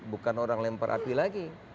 bukan orang lempar api lagi